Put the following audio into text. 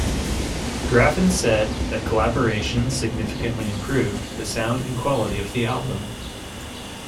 Graffin said that collaboration significantly improved the sound and quality of the album.